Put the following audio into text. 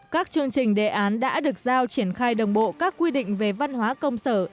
các chương trình đề án đã được giao triển khai đồng bộ các quy định về văn hóa công sở